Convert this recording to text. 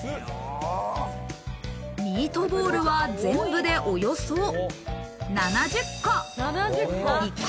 ミートボールは全部でおよそ７０個。